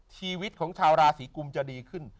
ชีวิตของชาวราศีกุมจะดีขึ้น